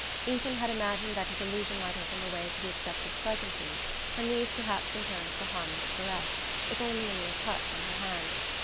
Ethan had imagined that his allusion might open the way to the accepted pleasantries, and these perhaps in turn to a harmless caress, if only a mere touch on her hand.